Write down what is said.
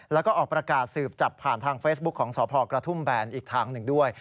แล้วก็ออกประกาศสืบจับผ่านทางเฟซบุ๊คของสพกระทุ่มแบนอีกทางหนึ่งด้วย